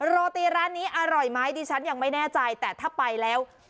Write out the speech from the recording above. โรตีร้านนี้อร่อยไหมดิฉันยังไม่แน่ใจแต่ถ้าไปแล้ว